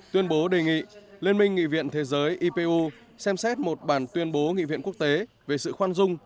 tuyên bố đề nghị liên minh nghị viện thế giới ipu xem xét một bản tuyên bố nghị viện quốc tế về sự khoan dung